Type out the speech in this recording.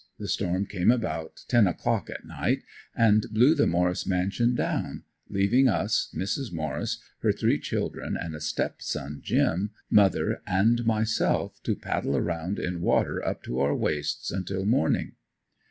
The storm came about ten o'clock at night and blew the Morris mansion down, leaving us, Mrs. Morris, her three children and a step son, "Jim," mother and myself to paddle around in water up to our waists until morning.